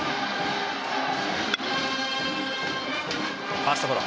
ファーストゴロ。